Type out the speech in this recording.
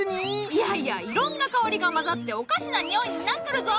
いやいやいろんな香りが混ざっておかしなにおいになっとるぞ！